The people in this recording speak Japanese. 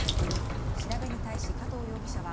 調べに対し加藤容疑者は